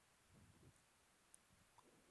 Es una de las cinco bibliotecas en la capital.